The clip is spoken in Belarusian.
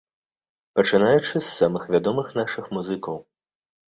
Пачынаючы з самых вядомых нашых музыкаў.